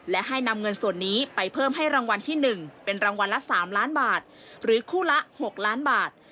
และให้นำเงินส่วนนี้ไปเพิ่มให้รางวัลที่๑เป็นรางวัลละ๓ล้านบาทหรือคู่ละ๖ล้านบาท